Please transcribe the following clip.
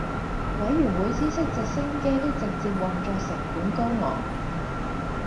委會員知悉直升機的直接運作成本高昂